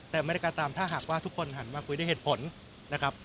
แต่ไม่ได้การตามถ้าหากว่าทุกคนหันมาคุยด้วยเหตุผลนะครับ